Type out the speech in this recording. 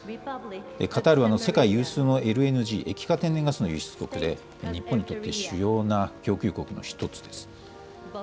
カタールは世界有数のＬＮＧ・液化天然ガスの輸出国で、日本にとって主要な供給国の１つです。